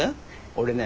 俺ね